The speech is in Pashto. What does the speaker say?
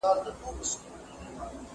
لوستونکی تل مخته ځي.